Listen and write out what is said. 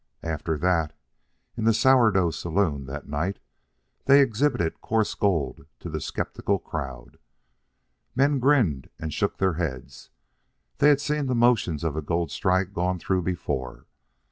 After that, in the Sourdough Saloon, that night, they exhibited coarse gold to the sceptical crowd. Men grinned and shook their heads. They had seen the motions of a gold strike gone through before.